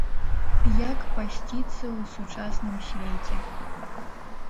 Як пасціцца ў сучасным свеце?